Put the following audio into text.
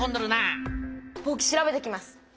ぼく調べてきます。